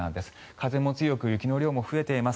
風も強く雪の量も増えています。